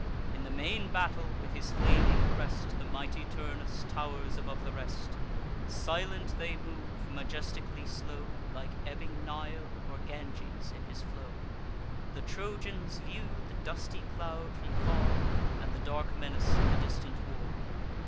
In the main battle, with his flaming crest, The mighty Turnus tow'rs above the rest. Silent they move, majestically slow, Like ebbing Nile, or Ganges in his flow. The Trojans view the dusty cloud from far, And the dark menace of the distant war.